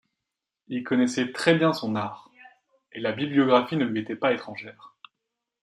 Il connaissait très bien son art, et la bibliographie ne lui était pas étrangère.